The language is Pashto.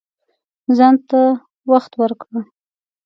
ځان ته وخت ورکړه